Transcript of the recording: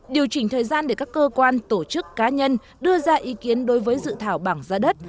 điều chỉnh thời gian để các cơ quan tổ chức cá nhân đưa ra ý kiến đối với dự thảo bảng giá đất